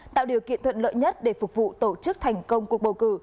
tạo điều kiện thuận lợi nhất để phục vụ tổ chức thành công cuộc bầu cử